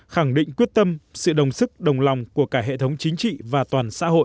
khẳng định quyết tâm sự đồng sức đồng lòng của cả hệ thống chính trị và toàn xã hội